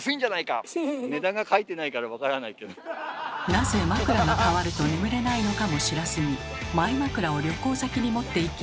なぜ枕がかわると眠れないのかも知らずにマイ枕を旅行先に持っていき